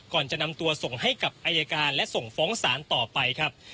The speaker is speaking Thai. ก่อนจะนำตัวส่งให้กับอายการและส่งฟ้องศาลต่อไปครับ